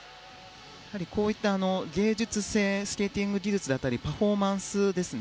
こういった芸術性スケーティング技術だったりパフォーマンスですね。